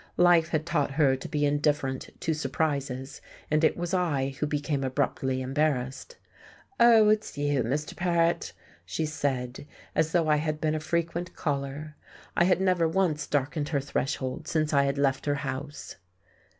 Life had taught her to be indifferent to surprises, and it was I who became abruptly embarrassed. "Oh, it's you, Mr. Paret," she said, as though I had been a frequent caller. I had never once darkened her threshold since I had left her house.